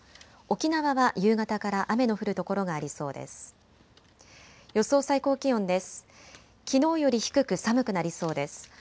沖縄は夕方から雨の降る所がありそうです。